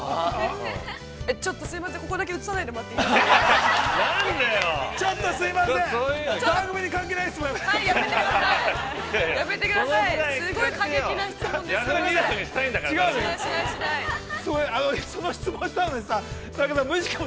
◆ちょっとすいません、ここだけ映さないでもらっていいですか。